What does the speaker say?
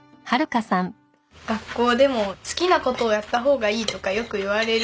学校でも好きな事をやった方がいいとかよく言われる。